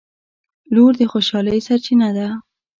• لور د خوشحالۍ سرچینه ده.